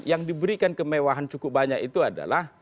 yang diberikan kemewahan cukup banyak itu adalah